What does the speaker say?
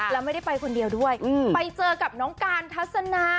แล้วไม่ได้ไปคนเดียวด้วยไปเจอกับน้องการทัศนา